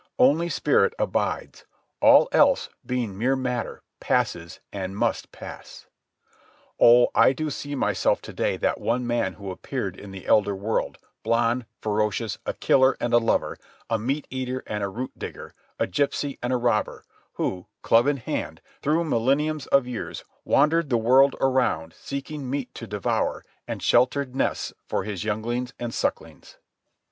Only spirit abides. All else, being mere matter, passes, and must pass. Oh, I do see myself to day that one man who appeared in the elder world, blonde, ferocious, a killer and a lover, a meat eater and a root digger, a gypsy and a robber, who, club in hand, through millenniums of years wandered the world around seeking meat to devour and sheltered nests for his younglings and sucklings.